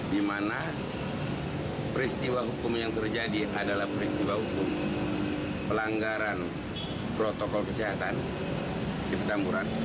di mana peristiwa hukum yang terjadi adalah peristiwa hukum pelanggaran protokol kesehatan di petamburan